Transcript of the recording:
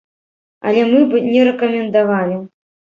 Але мы б не рэкамендавалі.